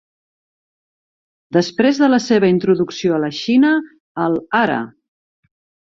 Després de la seva introducció a la Xina, el "Ara!